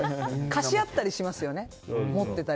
貸し合ったりしますよね。